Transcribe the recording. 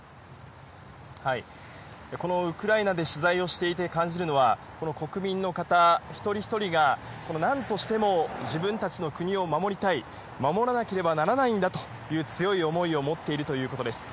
このウクライナで取材をしていて感じるのは、国民の方一人一人が、なんとしても自分たちの国を守りたい、守らなければならないんだという強い思いを持っているということです。